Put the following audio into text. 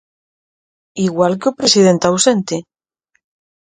Igual que o presidente ausente.